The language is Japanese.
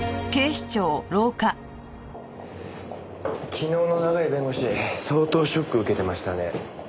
昨日の永井弁護士相当ショック受けてましたね。